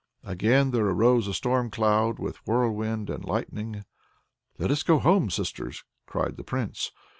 Again there arose a stormcloud with whirlwind and lightning. "Let us go home, sisters!" cried the Prince.